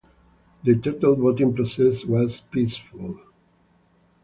The total voting process was peaceful.